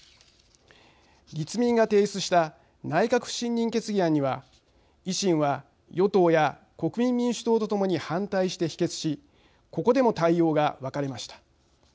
立民が提出した内閣不信任決議案には維新は与党や国民民主党とともに反対して否決しここでも対応が分かれました。